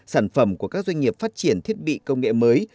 sản phẩm của các doanh nghiệp phát triển thiết bị công nghệ mới